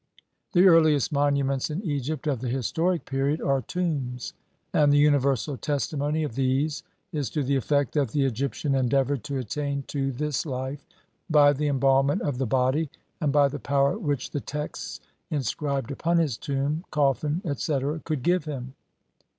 The earliest monuments in Egypt of the historic period are tombs, and the universal testimony of these is to the effect that the Egyptian endeavoured to attain to this life by the embalmment of the body, and by the power which the texts inscribed upon his tomb, coffin, etc., could give him.